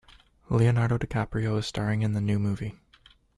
Leonardo DiCaprio is staring in the new movie.